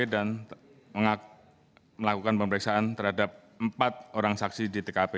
dan melakukan pemeriksaan terhadap empat orang saksi di tkp